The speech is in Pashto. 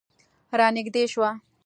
رانږدې شوه.